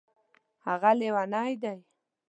هغه لیونی دی